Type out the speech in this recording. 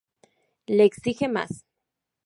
Le exige más.